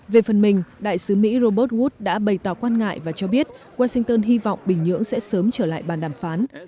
về phần mình đại sứ mỹ robert wood đã bày tỏ quan ngại và cho biết washington hy vọng bình nhưỡng sẽ sớm trở lại bàn đàm phán